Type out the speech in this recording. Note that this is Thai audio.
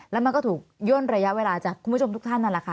แล้วมันก็ถูกย่นระยะเวลาจากคุณผู้ชมทุกท่านนั่นแหละค่ะ